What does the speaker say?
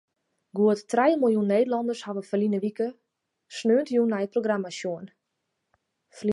Goed trije miljoen Nederlanners hawwe ferline wike sneontejûn nei it programma sjoen.